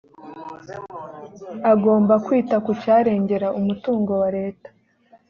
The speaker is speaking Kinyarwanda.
agomba kwita ku cyarengera umutungo wa leta.